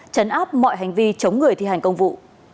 chấn áp mọi hành vi chống người thi hành công vụ